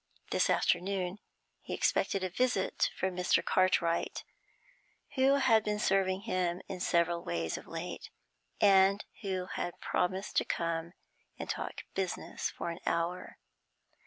This afternoon he expected a visit from Mr. Cartwright, who had been serving him in several ways of late, and who had promised to come and talk business for an hour.